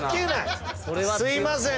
すいません。